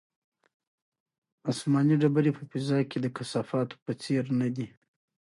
آسماني ډبرې په فضا کې د کثافاتو په څېر نه دي.